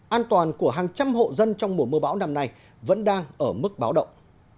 an toàn của hàng trăm hộ dân trong mùa mưa bão năm nay vẫn đang ở mức báo động